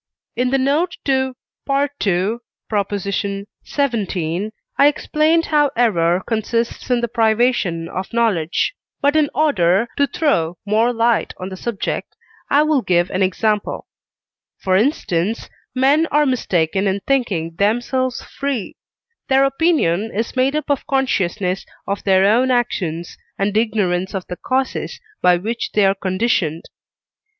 In the note to II. xvii. I explained how error consists in the privation of knowledge, but in order to throw more light on the subject I will give an example. For instance, men are mistaken in thinking themselves free; their opinion is made up of consciousness of their own actions, and ignorance of the causes by which they are conditioned.